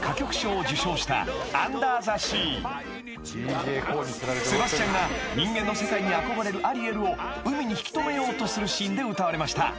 ［『アンダー・ザ・シー』］［セバスチャンが人間の世界に憧れるアリエルを海に引き留めようとするシーンで歌われました］